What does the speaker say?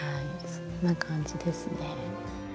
そんな感じですね。